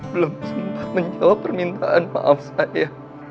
belum sempat menjawab permintaan maaf saya